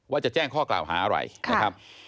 ว่าจะแจ้งข้อกล่าวหาอะไรนะครับ